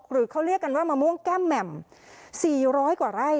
หรือเขาเรียกกันว่ามะม่วงแก้มแหม่ม๔๐๐กว่าไร่